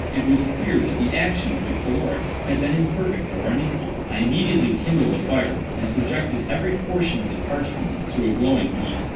It was clear that the action of the caloric had been imperfect or unequal. I immediately kindled a fire, and subjected every portion of the parchment to a glowing heat.